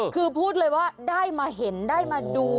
คือพูดเลยว่าได้มาเห็นได้มาดู